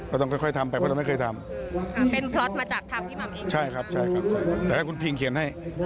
เราต้องค่อยทำไปเพราะเราไม่เคยทำ